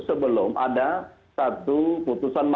sebelum ada satu putusannya